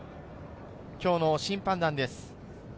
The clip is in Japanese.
今日の審判団です。